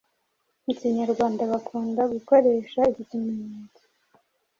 Mu Kinyarwanda bakunda gukoresha iki kimenyetso